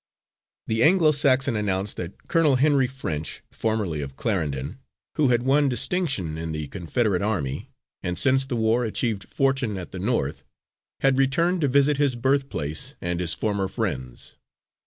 The Anglo Saxon announced that Colonel Henry French, formerly of Clarendon, who had won distinction in the Confederate Army, and since the war achieved fortune at the North, had returned to visit his birthplace and his former friends.